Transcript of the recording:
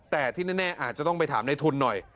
แต่ที่แน่อาจจะต้องไปถามในทุนหน่อย